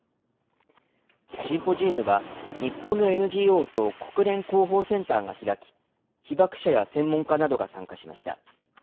シンポジウムは、日本のＮＧＯと国連広報センターが開き、被爆者や専門家などが参加しました。